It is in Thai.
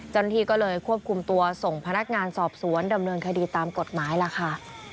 เจ้าหน้าที่ก็เลยควบคุมตัวส่งพนักงานสอบสวนดำเนินคดีตามกฎหมายล่ะค่ะ